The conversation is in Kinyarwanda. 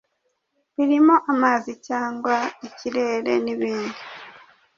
birimo amazi cyangwa ikirere nibindi.